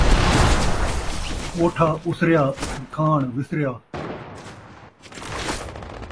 کوٹھا اُسریا ، درکھاݨ وِسریا